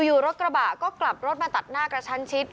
อยู่รถกระบะก็กลับรถมาตัดหน้ากระชั้นชิด